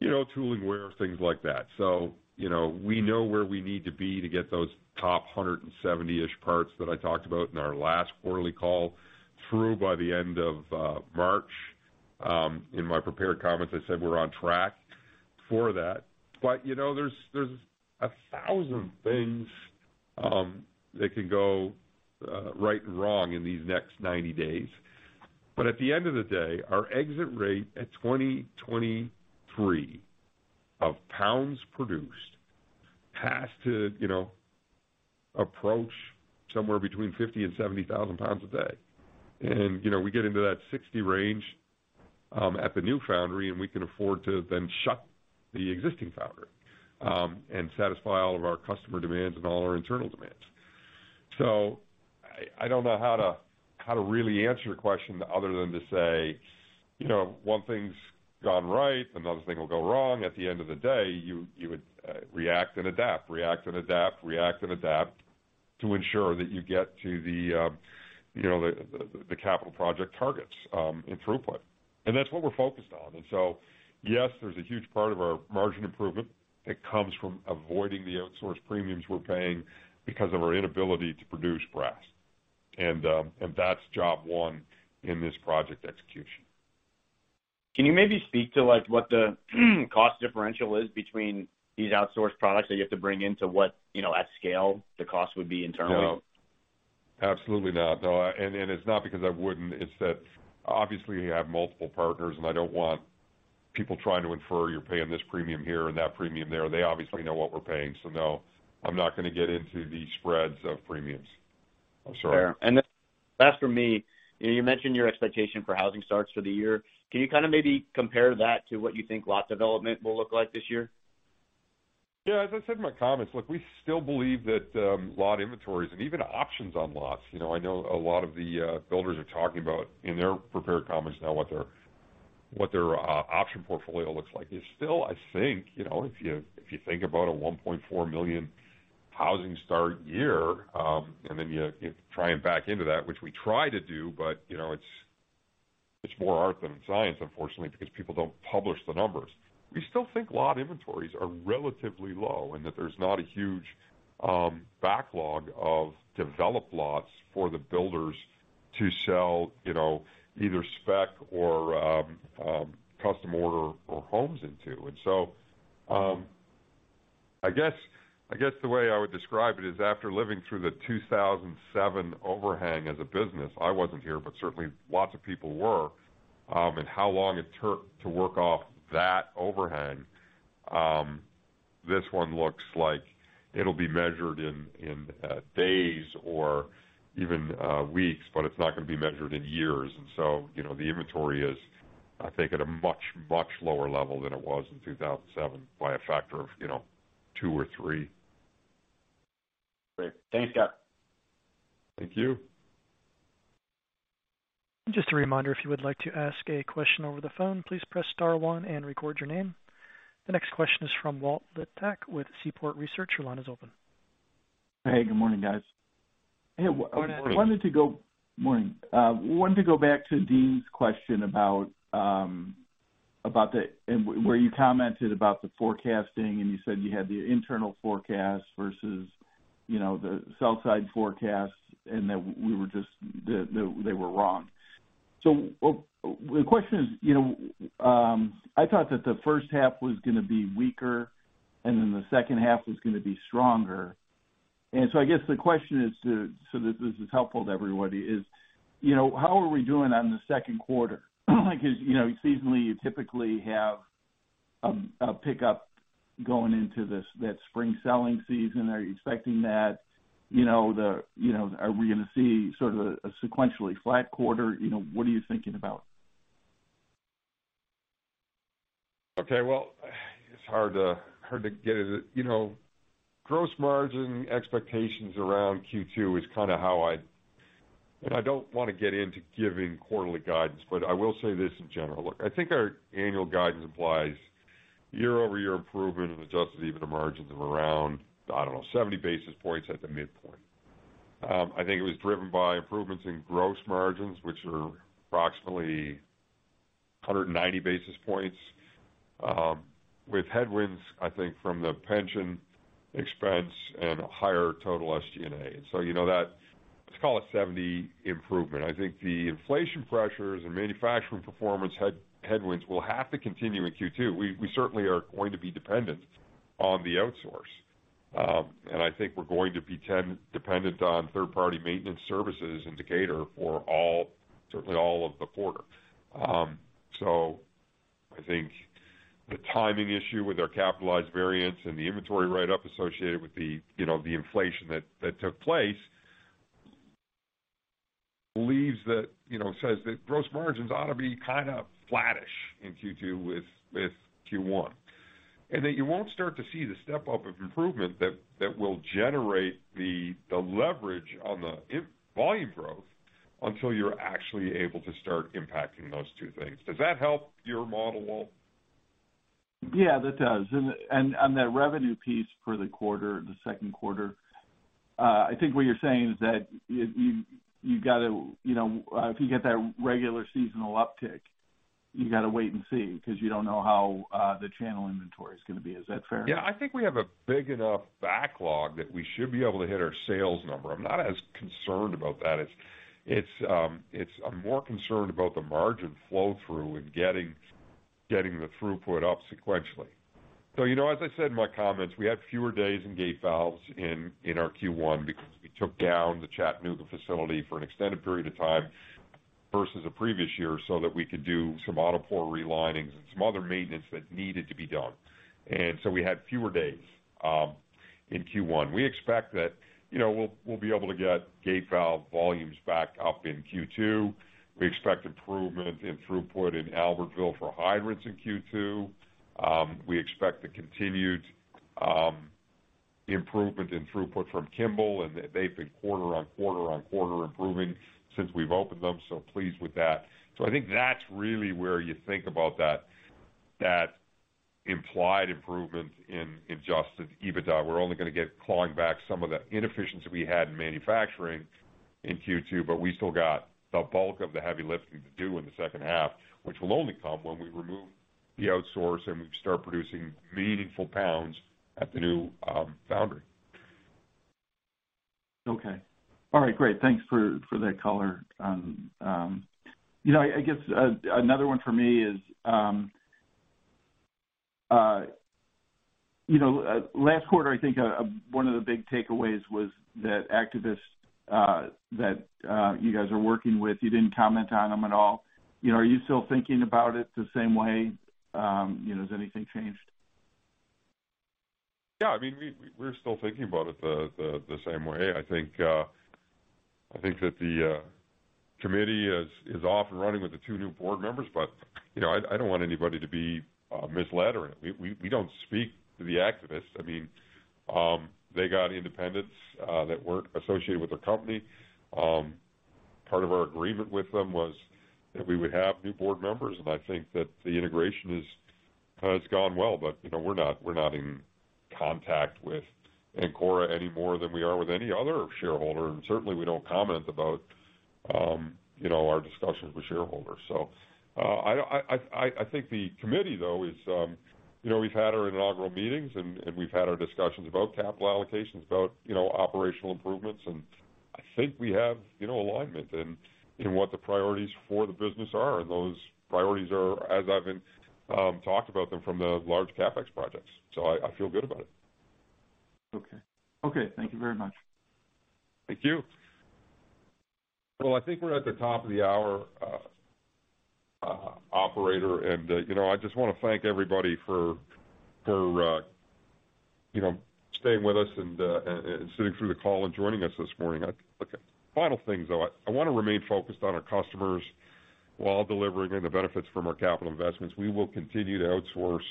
you know, tooling wear, things like that. You know, we know where we need to be to get those top 170-ish parts that I talked about in our last quarterly call through by the end of March. In my prepared comments, I said we're on track for that. You know, there's 1,000 things that can go right and wrong in these next 90 days. At the end of the day, our exit rate at 2023 of pounds produced has to, you know, approach somewhere between 50,000 and 70,000 pounds a day. You know, we get into that 60 range at the new foundry, and we can afford to then shut the existing foundry and satisfy all of our customer demands and all our internal demands. I don't know how to really answer your question other than to say, you know, one thing's gone right, another thing will go wrong. At the end of the day, you would react and adapt, react and adapt, react and adapt to ensure that you get to the, you know, the capital project targets in throughput. That's what we're focused on. Yes, there's a huge part of our margin improvement that comes from avoiding the outsource premiums we're paying because of our inability to produce brass. That's job one in this project execution. Can you maybe speak to, like, what the cost differential is between these outsourced products that you have to bring into what, you know, at scale, the cost would be internally? No, absolutely not. No. And it's not because I wouldn't. It's that, obviously, we have multiple partners, and I don't want people trying to infer you're paying this premium here and that premium there. They obviously know what we're paying. No, I'm not gonna get into the spreads of premiums. I'm sorry. Fair. Last for me, you mentioned your expectation for housing starts for the year. Can you kind of maybe compare that to what you think lot development will look like this year? Yeah, as I said in my comments, look, we still believe that, lot inventories and even options on lots, you know, I know a lot of the builders are talking about in their prepared comments now what their, what their option portfolio looks like. It's still, I think, you know, if you, if you think about a 1.4 million housing start year, and then you try and back into that, which we try to do, but, you know, it's more art than science, unfortunately, because people don't publish the numbers. We still think lot inventories are relatively low and that there's not a huge, backlog of developed lots for the builders to sell, you know, either spec or, custom order or homes into. I guess the way I would describe it is after living through the 2007 overhang as a business, I wasn't here, but certainly lots of people were, and how long it took to work off that overhang, this one looks like it'll be measured in days or even weeks, but it's not gonna be measured in years. You know, the inventory is, I think, at a much lower level than it was in 2007, by a factor of, you know, two or three. Great. Thanks, Scott. Thank you. Just a reminder, if you would like to ask a question over the phone, please press star 1 and record your name. The next question is from Walter Liptak with Seaport Research. Your line is open. Hey, good morning, guys. Hey. Good morning. Morning. Wanted to go back to Deane's question about the forecasting, and you said you had the internal forecast versus, you know, the sell side forecast, and that they were wrong. The question is, you know, I thought that the first half was gonna be weaker, then the second half was gonna be stronger. I guess the question is so that this is helpful to everybody, is, you know, how are we doing on the Q2? Seasonally, you typically have a pickup going into this, that spring selling season. Are you expecting that? You know, are we gonna see sort of a sequentially flat quarter? You know, what are you thinking about? Okay, well, it's hard to get it. You know, gross margin expectations around Q2 is kinda how I. I don't wanna get into giving quarterly guidance, but I will say this in general. Look, I think our annual guidance implies year-over-year improvement in adjusted EBITDA margins of around, I don't know, 70 basis points at the midpoint. I think it was driven by improvements in gross margins, which are approximately 190 basis points, with headwinds I think from the pension expense and higher total SG&A. You know that, let's call it 70 improvement. I think the inflation pressures and manufacturing performance headwinds will have to continue in Q2. We certainly are going to be dependent on the outsource. I think we're going to be dependent on third-party maintenance services in Decatur for all, certainly all of the quarter. I think the timing issue with our capitalized variance and the inventory write-up associated with the, you know, the inflation that took place believes that, you know, says that gross margins ought to be kind of flattish in Q2 with Q1. That you won't start to see the step-up of improvement that will generate the leverage on the volume growth until you're actually able to start impacting those two things. Does that help your model, Walt? Yeah, that does. On that revenue piece for the quarter, the Q2, I think what you're saying is that you gotta, you know, if you get that regular seasonal uptick, you gotta wait and see 'cause you don't know how the channel inventory is gonna be. Is that fair? Yeah. I think we have a big enough backlog that we should be able to hit our sales number. I'm not as concerned about that. It's, I'm more concerned about the margin flow-through and getting the throughput up sequentially. You know, as I said in my comments, we had fewer days in gate valves in our Q1 because we took down the Chattanooga facility for an extended period of time versus the previous year, so that we could do some auto pour relinings and some other maintenance that needed to be done. We had fewer days in Q1. We expect that, you know, we'll be able to get gate valve volumes back up in Q2. We expect improvement in throughput in Albertville for hydrants in Q2. We expect the continued improvement in throughput from Kimball. They've been quarter on quarter on quarter improving since we've opened them, so pleased with that. I think that's really where you think about that implied improvement in adjusted EBITDA. We're only gonna get clawing back some of the inefficiency we had in manufacturing in Q2. We still got the bulk of the heavy lifting to do in the second half, which will only come when we remove the outsource and we start producing meaningful pounds at the new foundry. Okay. All right, great. Thanks for that color. You know, I guess another one for me is, you know, last quarter, I think, one of the big takeaways was that activists that you guys are working with, you didn't comment on them at all. You know, are you still thinking about it the same way? You know, has anything changed? Yeah. I mean, we're still thinking about it the same way. I think that the committee is off and running with the two new board members. You know, I don't want anybody to be misled or anything. We don't speak to the activists. I mean, they got independents that weren't associated with the company. Part of our agreement with them was that we would have new board members, and I think that the integration is it's gone well. You know, we're not in contact with Ancora any more than we are with any other shareholder. Certainly we don't comment about, you know, our discussions with shareholders. I think the committee, though, is, you know, we've had our inaugural meetings and we've had our discussions about capital allocations, about, you know, operational improvements. I think we have, you know, alignment in what the priorities for the business are. Those priorities are, as I've been talked about them from the large CapEx projects. I feel good about it. Okay. Okay, thank you very much. Thank you. Well, I think we're at the top of the hour, operator. you know, I just wanna thank everybody for, you know, staying with us and sitting through the call and joining us this morning. Look, final things, though. I wanna remain focused on our customers while delivering on the benefits from our capital investments. We will continue to outsource,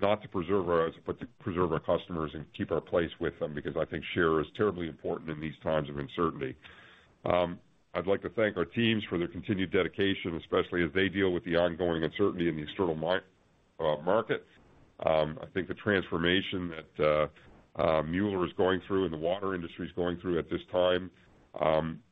not to preserve us, but to preserve our customers and keep our place with them because I think share is terribly important in these times of uncertainty. I'd like to thank our teams for their continued dedication, especially as they deal with the ongoing uncertainty in the external market. I think the transformation that Mueller is going through and the water industry is going through at this time,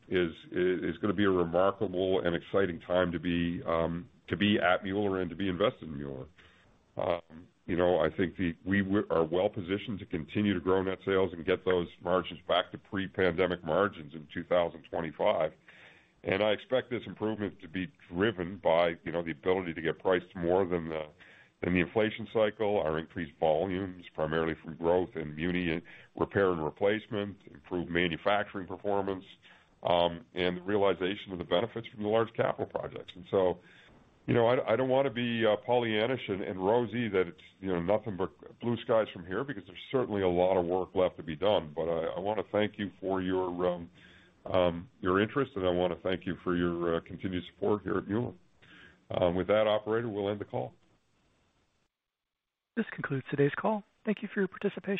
is gonna be a remarkable and exciting time to be, to be at Mueller and to be invested in Mueller. You know, I think we are well positioned to continue to grow net sales and get those margins back to pre-pandemic margins in 2025. I expect this improvement to be driven by, you know, the ability to get priced more than the inflation cycle. Our increased volumes, primarily from growth in muni repair and replacement, improved manufacturing performance, and the realization of the benefits from the large capital projects. You know, I don't wanna be pollyannish and rosy that it's, you know, nothing but blue skies from here because there's certainly a lot of work left to be done. I wanna thank you for your interest, and I wanna thank you for your continued support here at Mueller. With that, operator, we'll end the call. This concludes today's call. Thank you for your participation.